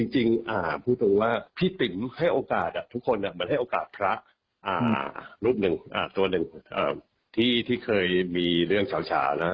จริงพิติมให้โอกาสทุกคนมันให้โอกาสพระตัวนึงที่เคยมีเรื่องชาว